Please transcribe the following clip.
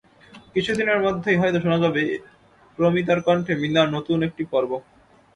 কিছুদিনের মধ্যেই হয়তো শোনা যাবে প্রমিতার কণ্ঠে মীনার নতুন একটি পর্ব।